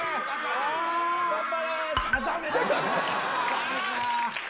頑張れー。